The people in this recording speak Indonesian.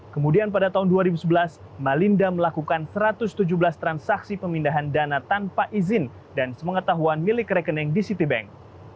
kemudian pada tahun dua ribu sebelas malinda melakukan satu ratus tujuh belas transaksi pemindahan dana tanpa izin dan semengetahuan milik rekening di city bank